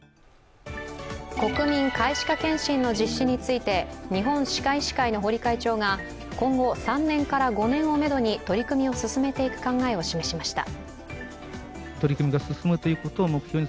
国民皆歯科検診の実施について、日本歯科医師会の堀会長が今後３年から５年をめどに取り組みを進めていく考えを示しました。